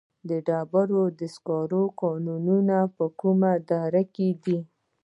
د ډبرو سکرو کانونه په کومه دره کې دي؟